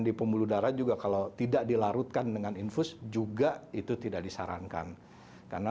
di pembuluh darah juga kalau tidak dilarutkan dengan infus juga itu tidak disarankan karena